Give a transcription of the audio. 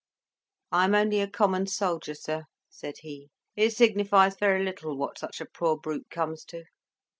"I am only a common soldier, sir," said he. "It signifies very little what such a poor brute comes to."